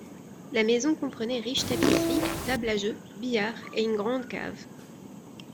La maison comprenait riches tapisseries, tables à jeux, billard et une grande cave.